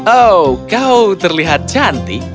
oh kau terlihat cantik